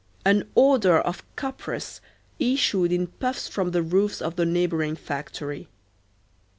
An odor of copperas issued in puffs from the roofs of the neighboring factory.